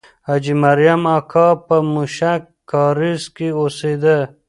حاجي مریم اکا په موشک کارېز کې اوسېده.